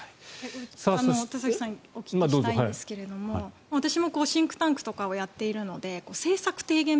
田崎さんにお聞きしたいんですが私もシンクタンクとかをやっているので政策提言